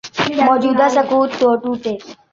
موجودہ سکوت تو ٹوٹے۔